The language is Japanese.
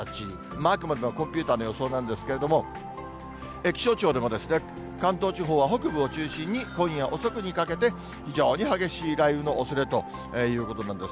あくまでもコンピューターの予想なんですけれども、気象庁でも関東地方は北部を中心に今夜遅くにかけて、非常に激しい雷雨のおそれということなんです。